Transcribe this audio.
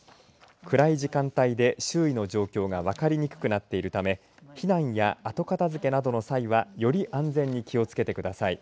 暗い時間帯で周囲の状況が分かりにくくなっているため避難や後片づけなどの際はより安全に気をつけてください。